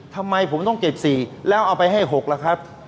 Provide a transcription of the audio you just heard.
ทำไมผมต้องเก็บ๔แล้วเอาไปให้๖ล่ะครับ